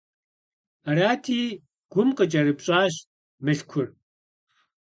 Арати, Гум къыкӀэрыпщӀащ Мылъкур.